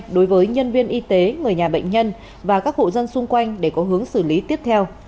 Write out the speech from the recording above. đối với nhân viên y tế người nhà bệnh nhân và các hộ dân xung quanh để có hướng xử lý tiếp theo